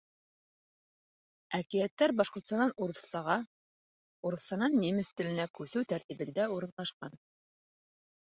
Әкиәттәр башҡортсанан урыҫсаға, урыҫсанан немец теленә күсеү тәртибендә урынлашҡан.